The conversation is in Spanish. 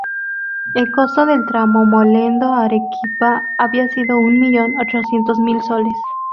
El costo del tramo Mollendo-Arequipa había sido un millón ochocientos mil soles.